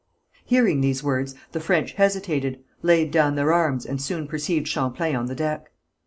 Hearing these words the French hesitated, laid down their arms, and soon perceived Champlain on the deck.